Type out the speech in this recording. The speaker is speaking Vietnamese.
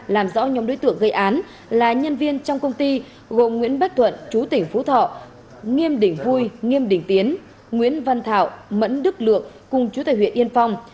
làm rõ nhóm đối tượng gây án là nhân viên trong công ty gồm nguyễn bách thuận chú tỉnh phú thọ nghiêm đình vui nghiêm đình tiến nguyễn văn thảo mẫn đức lượng cùng chú tài huyện yên phong